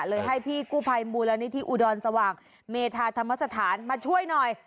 ให้พี่กู้ภัยมูลนิธิอุดรสว่างเมธาธรรมสถานมาช่วยหน่อย